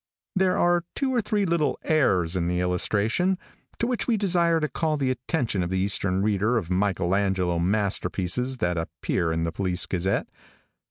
There are two or three little errors in the illustration, to which we desire to call the attention of the eastern reader of Michael Angelo masterpieces that appear in the Police Gazette.